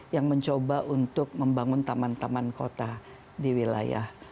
yang mencoba untuk membangun taman taman kota di wilayah